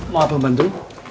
mau abang bantu